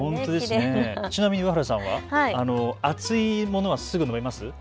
ちなみに上原さんは熱いものはすぐ飲めますか。